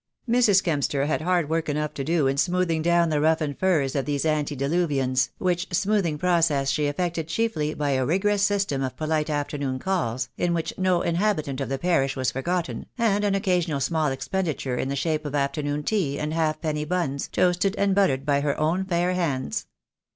Mrs. Kempster had work enough to do in smoothing down the roughened furs of these antediluvians, which smoothing process she effected chiefly by a rigorous system of polite afternoon calls, in which no inhabitant of the parish was forgotten, and an occasional small expenditure in the shape of afternoon tea and halfpenny buns toasted and buttered by her own fair hands.